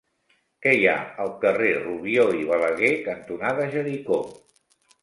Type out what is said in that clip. Què hi ha al carrer Rubió i Balaguer cantonada Jericó?